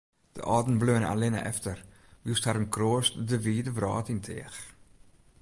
De âlden bleaune allinne efter, wylst harren kroast de wide wrâld yn teach.